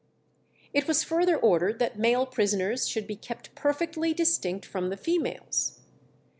It was further ordered that male prisoners should be kept perfectly distinct from the females.